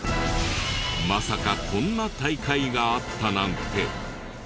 まさかこんな大会があったなんて。